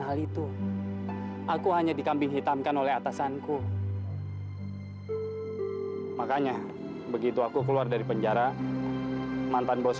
hal itu aku hanya dikambing hitamkan oleh atasanku makanya begitu aku keluar dari penjara mantan bos